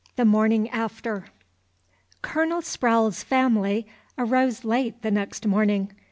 THE MORNING AFTER. Colonel Sprowle's family arose late the next morning.